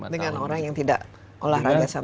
dengan orang yang tidak olahraga sama